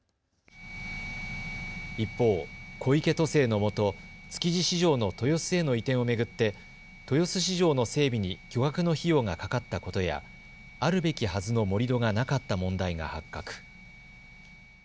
一方、小池都政のもと、築地市場の豊洲への移転を巡って豊洲市場の整備に巨額の費用がかかったことやあるべきはずの盛り土がなかった問題が発覚。